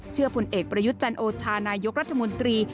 เชื่อผลเอกประยุจจันทร์โอชานายยกรัฐมนตรี